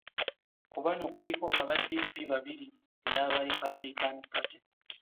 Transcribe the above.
Ku bano kuliko aba DP babiri n'aba Republican Party